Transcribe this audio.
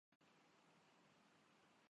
ہوش سے کام لو